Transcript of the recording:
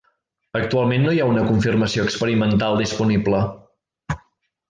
Actualment no hi ha una confirmació experimental disponible.